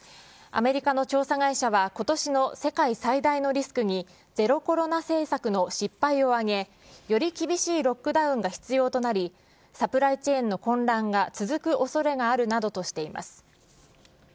アメリカの調査会社は、ことしの世界最大のリスクに、ゼロコロナ政策の失敗を挙げ、より厳しいロックダウンが必要となり、サプライチェーンの混乱が続くおそれがあるなどとしています。